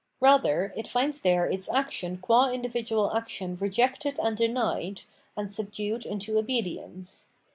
Eather, it finds there its action qua individual action rejected and denied, and subdued into obedience.